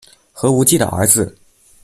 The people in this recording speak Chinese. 何无忌的儿子。